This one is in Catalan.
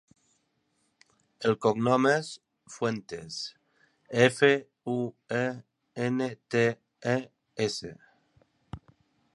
El cognom és Fuentes: efa, u, e, ena, te, e, essa.